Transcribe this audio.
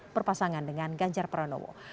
berpasangan dengan ganjar pranowo